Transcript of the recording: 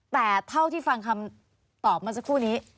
แต่เท่าที่ฟังคำตอบมาสักครู่นี้